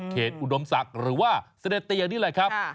อุดมศักดิ์หรือว่าเสด็จเตียนี่แหละครับ